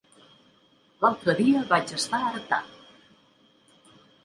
L'altre dia vaig estar a Artà.